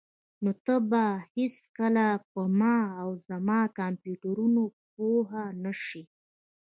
نو ته به هیڅکله په ما او زما کمپیوټرونو پوه نشې